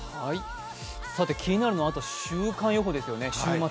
気になるのは週間予報ですよね、週末。